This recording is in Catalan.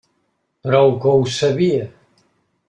Prou que ho sabia.